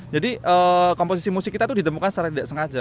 jadi komposisi musik kita itu ditemukan secara tidak sengaja